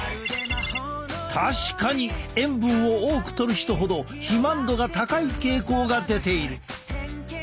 確かに塩分を多くとる人ほど肥満度が高い傾向が出ている。